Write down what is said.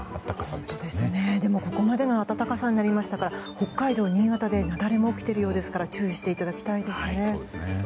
でも、ここまでの暖かさになりましたが北海道、新潟で雪崩も起きているようですから注意していただきたいですね。